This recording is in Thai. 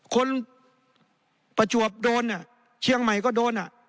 ประจวบโดนเชียงใหม่ก็โดน